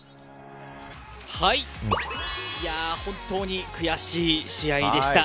本当に悔しい試合でした。